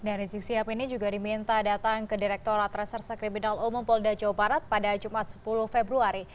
dan rizik syihab ini juga diminta datang ke direkturat reserse kriminal umum polda jawa barat pada jumat sepuluh februari